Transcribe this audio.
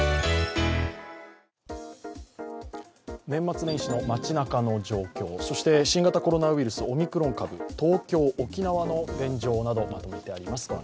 年末年始の街中の状況、そして、新型コロナウイルスオミクロン株東京、沖縄の現状などまとめてあります。